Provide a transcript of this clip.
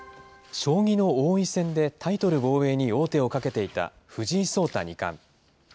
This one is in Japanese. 将棋の王位戦でタイトル防衛に王手をかけていた藤井聡太二冠。